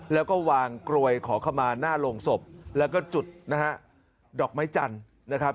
แล้วก็วางกรวยขอขมาหน้าโรงศพแล้วก็จุดนะฮะดอกไม้จันทร์นะครับ